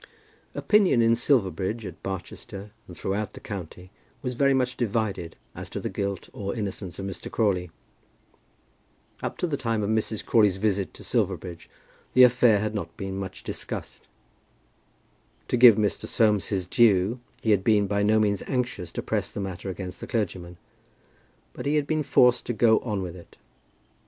Opinion in Silverbridge, at Barchester, and throughout the county, was very much divided as to the guilt or innocence of Mr. Crawley. Up to the time of Mrs. Crawley's visit to Silverbridge, the affair had not been much discussed. To give Mr. Soames his due, he had been by no means anxious to press the matter against the clergyman; but he had been forced to go on with it.